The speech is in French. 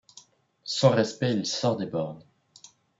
Sans respect il sort des bornes.